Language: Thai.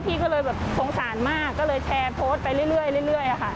พี่ก็เลยแบบสงสารมากก็เลยแชร์โพสต์ไปเรื่อยค่ะ